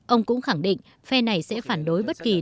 ông cũng khẳng định phe này sẽ phản đối bất kỳ điều gì